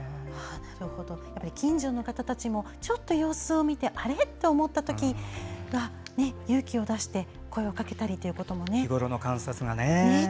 近所の方たちもちょっと様子を見てあれ？と思ったときは勇気を出して声をかけたりということもね。